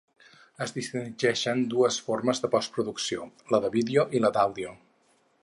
Es distingeixen dues formes de postproducció: la de vídeo i la d'àudio.